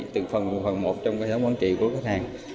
từ phần một phần một trong cái hệ thống quản trị của khách hàng